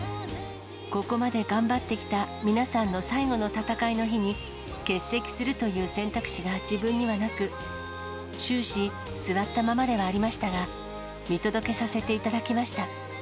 ここまで頑張ってきた皆さんの最後の戦いの日に、欠席するという選択肢が自分にはなく、終始、座ったままではありましたが、見届けさせていただきました。